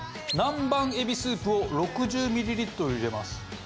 南蛮えびスープを６０ミリリットル入れます。